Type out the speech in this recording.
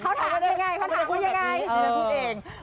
เขาถามว่ายังไงเขาถามว่ายังไง